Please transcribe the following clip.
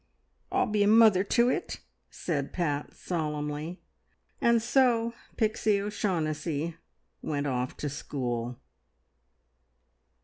"I'll be a mother to it," said Pat solemnly. And so Pixie O'Shaughnessy went off to school.